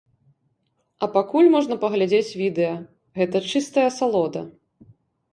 А пакуль можна паглядзець відэа, гэта чыстая асалода.